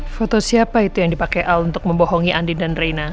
foto siapa itu yang dipakai al untuk membohongi andin dan reina